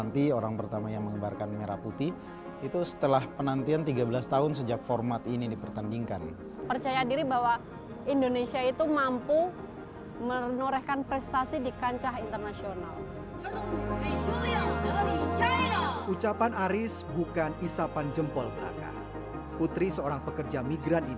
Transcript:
dan kita mau menunggu sampai tiga belas tahun kemudian untuk juara